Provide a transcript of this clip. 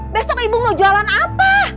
besok ibu mau jualan apa